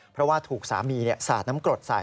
เพราะว่าถูกสามีสาดน้ำกรดใส่